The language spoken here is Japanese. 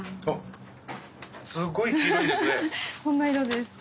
こんな色です。